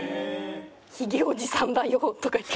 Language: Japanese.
「ヒゲおじさんだよ！」とか言って。